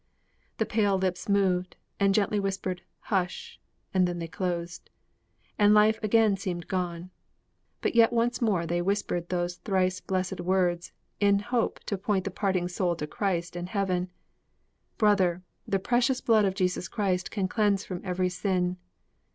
_' The pale lips moved, And gently whispered 'hush!' and then they closed, And life again seemed gone. But yet once more They whispered those thrice blessed words, in hope To point the parting soul to Christ and heaven '_Brother! the precious blood of Jesus Christ Can cleanse from every sin.